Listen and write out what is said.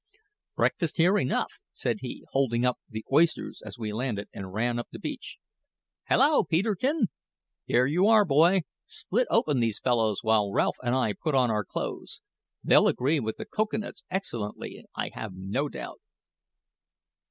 "Breakfast enough here," said he, holding up the oysters as we landed and ran up the beach. "Hallo, Peterkin! Here you are, boy! split open these fellows while Ralph and I put on our clothes. They'll agree with the cocoa nuts excellently, I have no doubt."